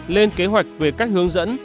năm lên kế hoạch về cách hướng dẫn